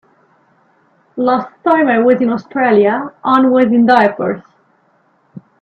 Last time I was in Australia Anne was in diapers.